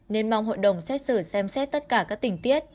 nên mong hội đồng xét xử xem xét tất cả các tình tiết